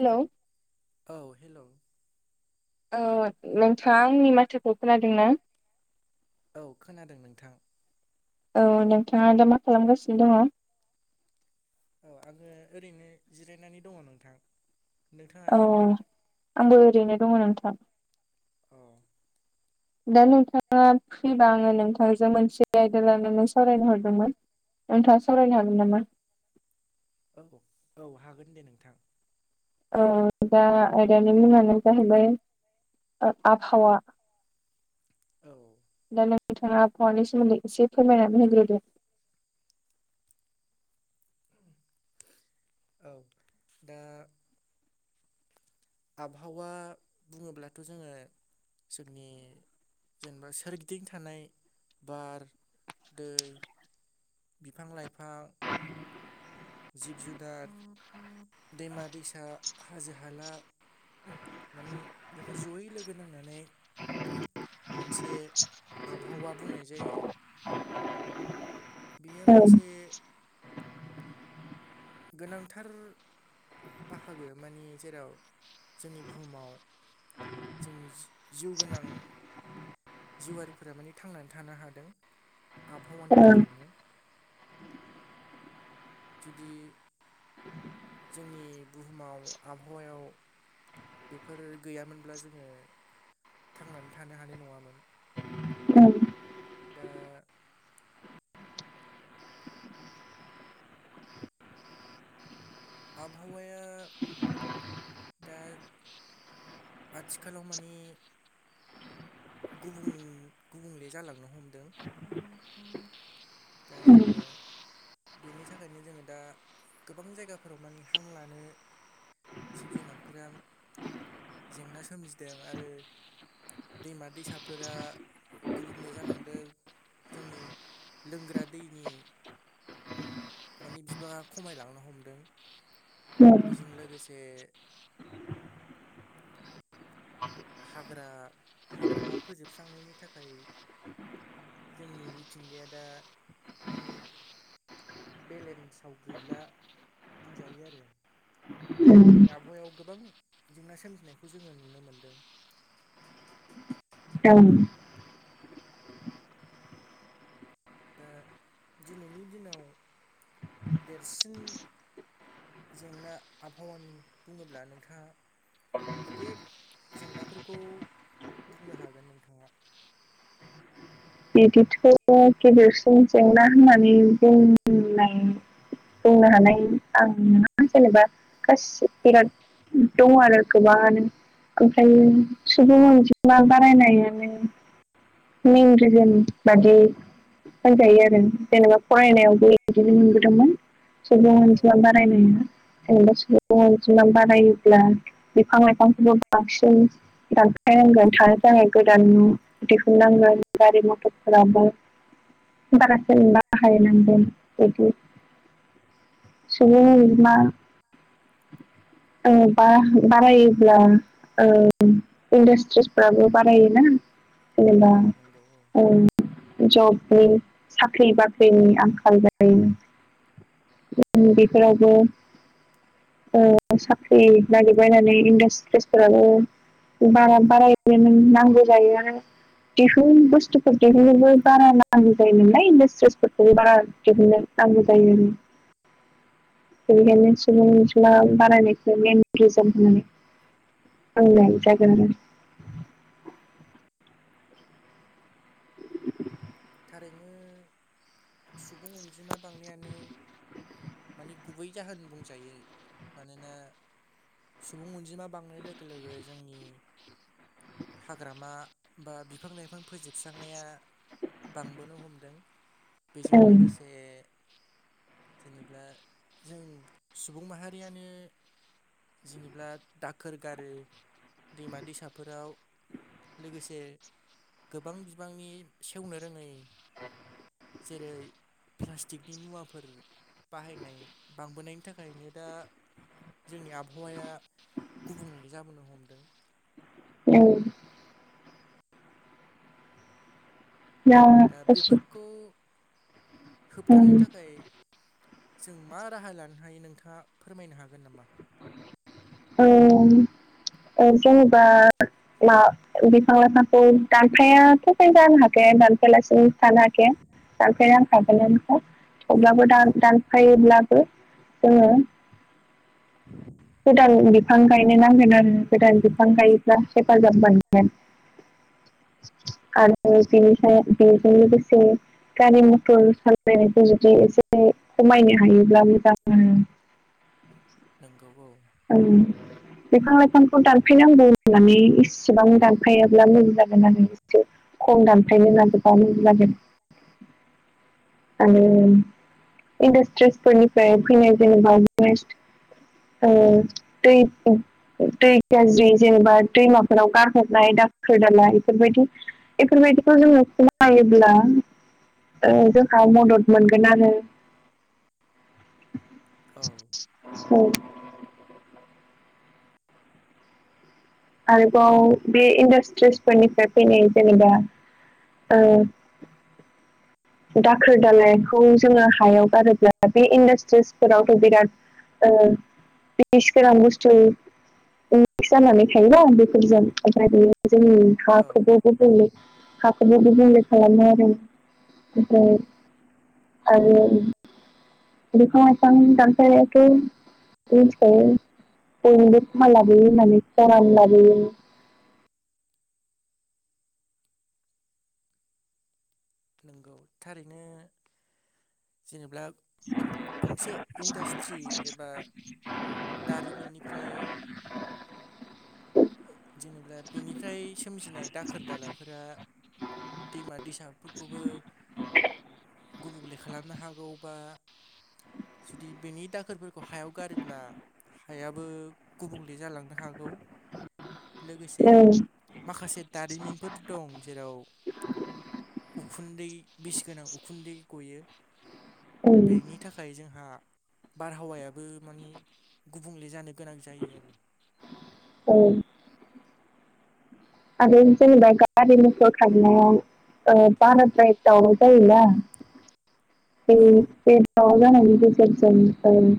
Hello औ hello औ नोंथाङा आंनि माथोखौ खोनादों ना? औ खोनादों नोंथां औ नोंथाङा दा मा खालामगासिनो दङ? औ आङो ओरैनो जिरायनानै दङ नोंथां औ नोंथाङालाय आंबो ओरैनो दङ नोंथां औ दा नोंथाङा फ्रिबा आङो नोंथांजों मोनसे आयदा लानानै सावरायनो हरदोंमोन नोंथाङा सावरायनो हागोन नामा? औ औ हागोन दे नोंथां औ दा आयदानि मुङानो जाहैबाय ओ आबहावा औ दा नोंथाङा आबहानि सोमोन्दै एसे फोरमायनानै होग्रोदो औ दा आबहावा बुङोब्लाथ' जोङो जोंनि जेनेबा सोरगिदिं थानाय बार दै बिफां लाइफां जिब जुनार दैमा दैसा हाजो हाला माने बेफोर जयै लोगो नांनानै मोनसे आबहावा बुंनाय जायो [inaudible] बेयो औ मोनसे गोनांथार बाहागो माने जेराव जोंनि बुहुमाव जोंनि जि-जिउ गोनां जिउआरिफोरा माने थांनानै थानो हादों आबहावानि थाखायनो जुदि जोंनि बुहुमाव आबहावायाव बेफोर गैयामोनब्ला जोङो थांनानै थानो हानाय नङामोन दा आबावाया दा आथिखालाव माने गुबुं गुबुंले जालांनो हमदों दा जोङो बेनि थाखायनो जोङो दा गोबां जायगाफोराव माने हां लानो जिब जुनारफोरा जेंना सोमजिदों आरो दैमा दैसाफोरा गुबुंले जालांदों जोंनि लोंग्रा दैनि ओम माने बिबाङा खमायलांनो हमदों बेजों लोगोसे हाग्रा हाग्रामा फोजोबस्रांनायनि थाखाय जोंनि मिथिंगाया दा मानि बेलेन्साव गैला बुंजायो आरो दा जोंनि आबहावायाव गोबां जेंना सोमजिनायखौ जोङो नुनो मोनदों [unintelligible] दा दिनैनि दिनाव देरसिन जेंना आबहावानि बुङोब्ला नोंथाङा बबे जेंनाफोरखौ बुंनो हागोन नोंथाङा बिदिथ' गेदेरसिन जेंना होननानै बुंनाय बुंनो हानाय आं ना जेनेबा गाससि औ बिराद। दं आरो गोबाङानो ओमफ्राय सुबुं अनजिमा बारायनायानो मेन औ रिजन। बादि होनजायो आरो जेनेबा फरायनायावबो बिदिनो मोनबोदोंमोन। सुबुं औ अनजिमा बारायनाया जेनेबा सुबुं अनजिमा बारायोब्ला बिफां लाइफांखौबो बांसिन दानफायनांगोन थानो थाखाय गोदान नांगोन गारि मथरफोराव ओमफाय बारा जेनेबा [inaudible] बेदि। सुबुं अनजिमा औ बा बारायोब्ला औ इन्डास्ट्रिसफ्राबो बारायोना जेनेबा औ नंगौ औ जबनि साख्रि बाख्रिनि आंखाल जायो। जों बेफोरावबो ओ साख्रि नागिरबायनानै इन्डास्ट्रिसफोराबो बारा बाराय नो नांगौ जायो आरो दिहुन बुस्थुफोर दिहुननोबो बारा नांगौ जायोमोन नालाय इन्डासट्रिसफोरखौबो बारा दिहुनो। नांगौ जायो बेनिखायनो सुबुं अन जिमा बारायनायखौ मेन रिजन औ होननानै आं [unintelligible] थारैनो सुबुं अनजिमा बांनायानो मानि गुबै जाहोन बुंजायो मानोना सुबुं अनजिमा बांनाय लोगो लोगो जोंनि हाग्रामा बा बिफां लाइफां फोजोबस्रांनाया बांबोनो हमदों बेजों आरो लोगोसे जेनेबा जों सुबुं माहारियानो जेनोब्ला दाखोर गारो दैमा दैसाफोराव लोगोसे गोबां बिबांनि सेवनो रोङै जेरै प्लास्टिकनि मुवाफोर बाहायनाय बांबोनायनि थाखायनो दा जोंनि आबहावाया गुबुंले जाबोनो हमदों। औ। दा [unintelligible] गु होबथानो ओम थाखाय जों मा राहा लानो हायो नोंथाङा फोरमायनो हागोन नामा? औ ओ जेनेबा मा बिफां लाइफांखौ दानफायाथ' जानो हाखाया दानफाया लासे थानो हा खाया दानफाय नांखागोनानोखा थेवब्लाबो दान औ दान फायोब्लाबो जोङो [inaudible] गोदान बिफां गायनो नांगोन आरो गोदान बिफां गायोब्ला हेफाजाब मोनगोन। आरो बेनिफ्राय बेजों लोगोसे गारि मथर सालायायनायखौ जुदि एसे खमायनो हायोब्ला मोजां। नोंगौ औ। औ। बिफां लाइफांखौ दानफायनांगौ होननानै इसेबां दानफायाब्ला मोजां जागोन आरो। एसे खम दानफायनो लायोब्ला मोजां जागोन। आरो इन्डास्ट्रिसफोरनिफ्राय फैनाय जेनेबा बिदिनो औ दै दै गाज्रि जेनेबा दैमाफोराव गारहरनाय दाखोर दाला एफोरबायदि एफोरबायदिखौ जोङो खोनायोब्ला ओ जोंहा मदद मोनगोन आरो औ औ। उम आरोबाव बे इन्डास्ट्रिसफोरनिफ्राय फैनाय जेनेबा ओ दाखोर दालायखौ जोङो हायाव गारोब्ला बे इन्डास्ट्रिसफोरावथ' बिराद ओ बिस गोनां बुस्थु मिख्स जानानै थायोबा बेफोरजों ओमफ्राय बियो जोंनि औ हाखौबो गुबुंले हाखौबो गुबुंले खालामो आरो। ओमफ्राय आरो बिफा-लायफां दानफायबाथ' मिथिखायो बयनिबो खहा लाबोयो होननानै खरान लाबोयो। नंगौ थारैनो जेनेब्ला मोनसे इन्डास्ट्रि एबा दारिमिननिफ्राय जेनेब्ला बेनिफ्राय सोमजिनाय दाखोर दालाफोरा दैमा दैसाफोरखौबो गुबुंले खालामनो हागौ बा जुदि बेनि दाखोरफोरखौ हायाव गारोब्ला हायाबो गुबुंले जालांनो हागौ लोगोसे ओं माखासे दारिमिनफोर दं। जेराव उखुन्दै बिस गोनां उखुन्दै गयो ओं बेनि बेनि थाखाय जोंहा बारहावायाबो मानि गुबुंले जानो गोनां जायो आरो औ। आरो जेनेबा गारि मथर खारनायाव ओ औ बाराद्राय दावाव जायो ना बे औ बे दावराव जानायनि गेजेरजों ओं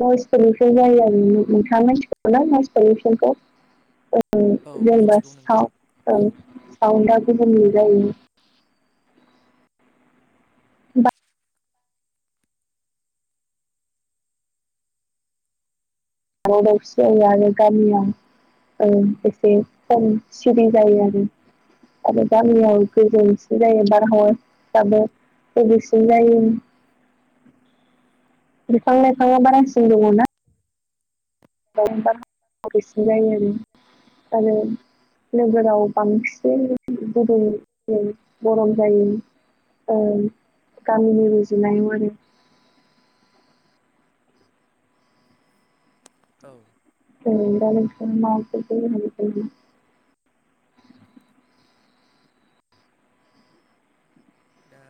बयस फोरनिफ्राय जायो आरो नों नोंथाङा मिथिखागौना [unintelligible] ओ औ जेनेबा मिथिगौ सा नोंथां ओ औ साउन्डआ गुबुंले जायो। दावराव दावसि जायो आरो गामियाव औ एसे खम सिरि जायो आरो। आरो गामियाव गोजोन सिन जायो बारहावाफ्राबो गेबेंसिन जायो। बिफां लाइफाङा औ बारासिन दङना [unintelligible] सिन जायो आरो। आरो नोगोराव बांसिनै गुदुं गरम जायो। ओ गामिनि रुजुनायाव आरो औ। [unintelligible] दा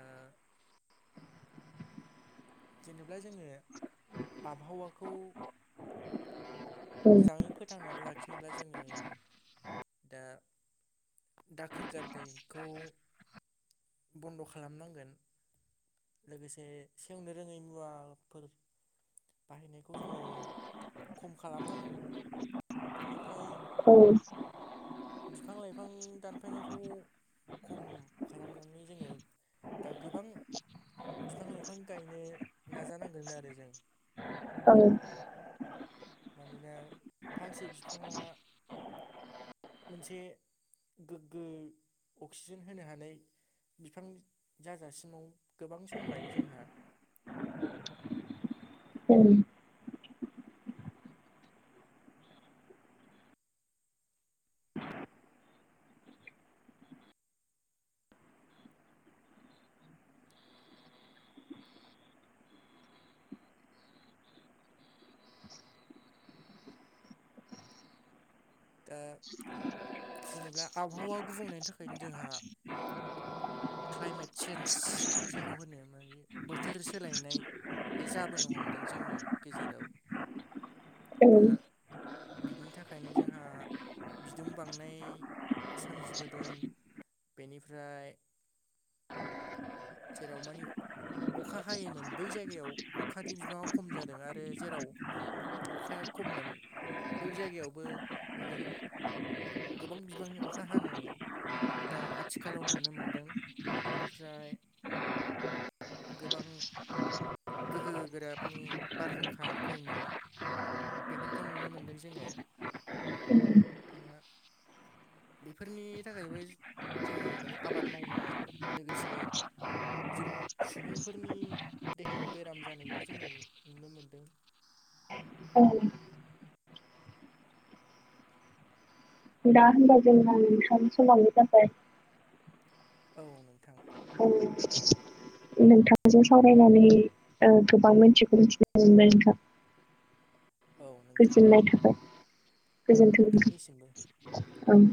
जेनेब्ला जोङो आबहावाखौ मोजाङै फोथांनानै लाखिनोब्ला जोङो दा दाखोर गारनायखौ बन्द' खालामनांगोन। लोगोसे सेवनो रोङै मुवाफोर बाहायनायखौ जोङो खम खालामनांगोन बेनिफ्राय औ बिफां लाइफां दानफायनायखौ खम खालामनानै जोङो दा गोबां बिफां लाइफां गायनो नाजानांगोन आरो जों औ मानोना फांसे बिफाङा मोनसे गोग्गो अक्सिजेन होनो हानाय बिफां जाजासिमाव गोबां सम लायो जोंहा औ। दा जेनेबा आबहावा गुबुंनायनि थाखायनो जोंहा क्लाइमेट सेन्ज जायखौ होनो माने बोथोर सोलायनाय बे जाबोनो हमदों। जोंनि गेजेराव ओं दा बिनि थाखायनो जोंहा बिदुं बांनाय सोमजिबोदों। बेनिफ्राय जेराव मानि अखा हायोमोन बै जायगायाव अखानि बिबाङा खम जादों आरो जेराव अखाया खममोन बै जायगायावबो माने गोबां बिबांनि अखा हानाय दा आथिखालाव नुनो मोनदों। बेनिफ्राय गोबां गोहो गोरा माने बारहुंखा फैनाय बेफोरखौ नुनो मोनदों जोङो दा बेफोरनि थाखायबो जोंनि माने आबाद मावनाय लोगोसे जों सुबुंफोरनि देहायाव बेराम जानायबो जोङो नुनो मोनदों। औ। दा होनबा जोंहा नोंथां सामाबो जाबाय औ नोंथां। औ। नोंथांजों सावरायनानै ओ गोबां मिथियैखौ मिथिनो मोनबाय नोंथां। औ नोंथां गोजोननाय थाबाय औ गोजोनथों नोंथांनिसिमबो नोंथां। ओं